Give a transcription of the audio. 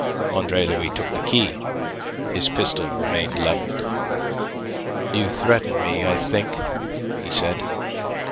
Andre Louis took the key. His pistol remained levelled. "You threaten me, I think," he said.